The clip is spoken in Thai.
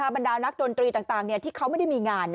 บรรดานักดนตรีต่างที่เขาไม่ได้มีงาน